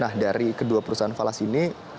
nah dari kedua perusahaan falas ini